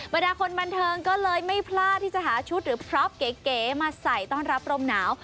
ดาคนบันเทิงก็เลยไม่พลาดที่จะหาชุดหรือพรอปเก๋มาใส่ต้อนรับลมหนาว